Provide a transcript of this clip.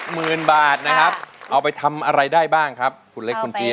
หมื่นบาทนะครับเอาไปทำอะไรได้บ้างครับคุณเล็กคุณเจี๊ย